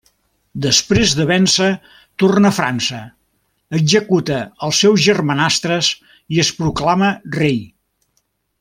Després de vèncer, torna a França, executa els seus germanastres i es proclama rei.